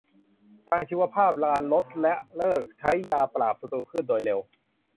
ทางชีวภาพ การลด ละ เลิกใช้ยาปราบศัตรูพืชโดยเร็ว